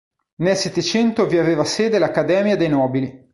Nel Settecento vi aveva sede l'Accademia dei Nobili.